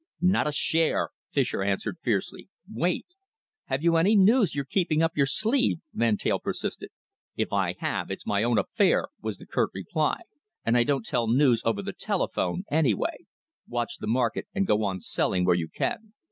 "Not a share," Fischer answered fiercely. "Wait!" "Have you any news you're keeping up your sleeve?" Van Teyl persisted. "If I have, it's my own affair," was the curt reply, "and I don't tell news over the telephone, anyway. Watch the market, and go on selling where you can."